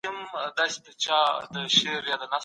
مرتد باید توبې ته وهڅول سي.